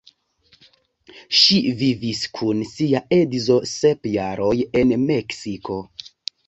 Ŝi vivis kun sia edzo sep jaroj en Meksiko.